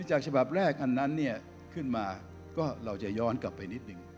จากฉบับแรกอันนั้นเนี่ยขึ้นมาก็เราจะย้อนกลับไปนิดหนึ่ง